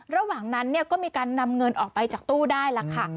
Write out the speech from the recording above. ระหว่างนั้นก็มีการนำเงินออกไปจากตู้ได้ล่ะค่ะ